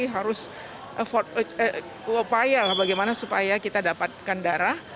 harus upaya lah bagaimana supaya kita dapatkan darah